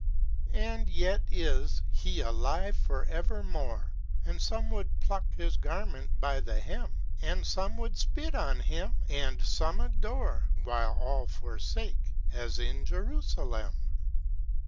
And yet is " He alive for evermore;" And some would pluck His garment by the hem, And some would spit on Him, and some adore. While all forsake, as in Jerusalem.